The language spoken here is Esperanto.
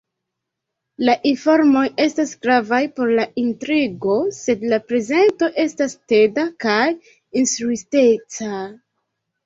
La informoj estas gravaj por la intrigo, sed la prezento estas teda kaj instruisteca.